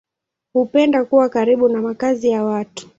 Hupenda kuwa karibu na makazi ya watu.